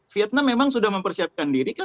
vietnam memang sudah mempersiapkan diri